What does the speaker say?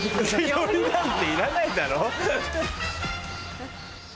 寄りなんていらないだろ。